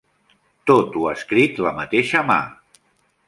Tot ho ha escrit la mateixa mà.